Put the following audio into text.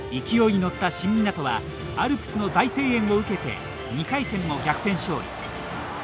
勢いに乗った新湊はアルプスの大声援を受けて２回戦も逆転勝利。